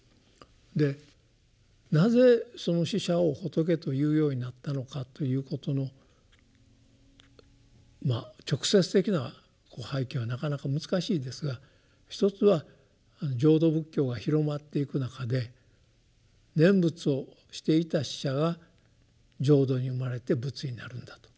でなぜその死者を仏というようになったのかということの直接的な背景はなかなか難しいですが１つは浄土仏教が広まっていく中で念仏をしていた死者が浄土に生まれて仏になるんだと。